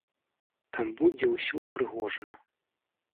Там будзе ўсё ўпрыгожана.